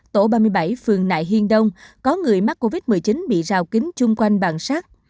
tổ ba mươi bảy phường nại hiên đông có người mắc covid một mươi chín bị rào kính chung quanh bản sát